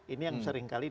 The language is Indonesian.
ini yang seringkali